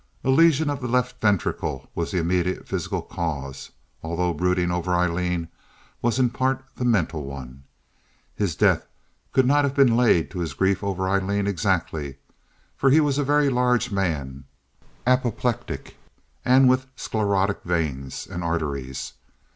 A lesion of the left ventricle was the immediate physical cause, although brooding over Aileen was in part the mental one. His death could not have been laid to his grief over Aileen exactly, for he was a very large man—apoplectic and with sclerotic veins and arteries.